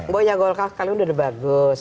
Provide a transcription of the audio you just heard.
buahnya golkar kalau sudah bagus